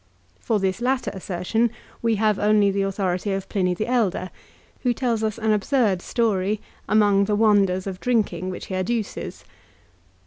For this latter assertion we have only the authority of Pliny the Elder, who tells us an absurd story, among the wonders of drinking which he adduces.